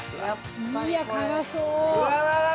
いや辛そう！